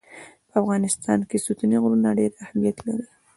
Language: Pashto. په افغانستان کې ستوني غرونه ډېر اهمیت لري.